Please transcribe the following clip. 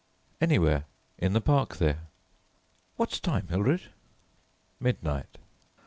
"Anywhere, in the park there." "What time, Hildred?" "Midnight."